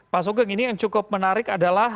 pak sugeng ini yang cukup menarik adalah